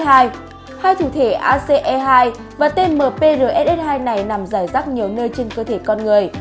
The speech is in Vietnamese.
hai thủ thể ace hai và tmprss hai này nằm rải rắc nhiều nơi trên cơ thể con người